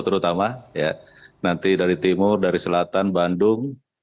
terutama nanti dari timur dari selatan bandung